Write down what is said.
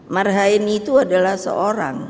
marhain itu adalah seorang